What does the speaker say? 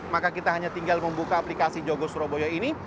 maka kita hanya tinggal membuka aplikasi jogo surabaya ini